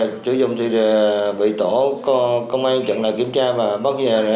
sử dụng thì bị tổ công an chẳng lại kiểm tra và bắt giữ